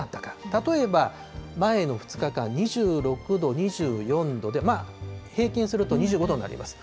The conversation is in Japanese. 例えば、前の２日間、２６度、２４度で、平均すると２５度になります。